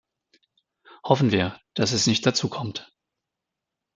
Hoffen wir, dass es nicht dazu kommt.